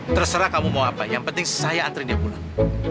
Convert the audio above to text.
terserah kamu mau apa yang penting saya antri dia pulang